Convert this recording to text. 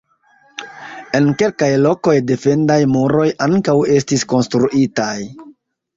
En kelkaj lokoj, defendaj muroj ankaŭ estis konstruitaj.